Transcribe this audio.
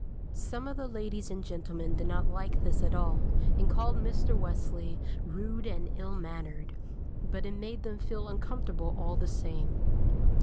Some of the ladies and gentlemen did not like this at all, and called Mr. Wesley "rude and ill mannered," but it made them feel uncomfortable all the same.